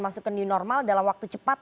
masuk ke new normal dalam waktu cepat